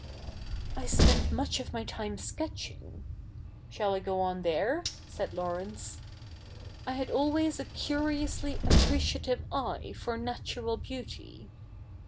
'^^ I spent nmch of my time sketching.''^ Shall I go on there ?' said Laurence. '"/ had always a curiously appreciative eye for natu?'al beauty.''''